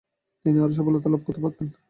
তিনি আরও সফলতা লাভ করতে পারতেন।